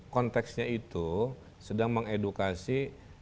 konteksnya itu sedang mengedukasi